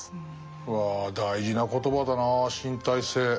うわ大事な言葉だな「身体性」。